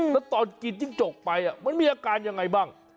แล้วตอนกินจิ้งจกไปมันมีอาการยังไงบ้าง